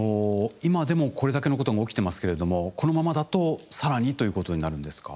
今でもこれだけのことが起きてますけれどもこのままだとさらにということになるんですか？